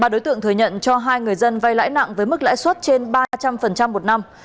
ba đối tượng thừa nhận cho hai người dân vay lãi nặng với mức lãi suất trên ba trăm linh một năm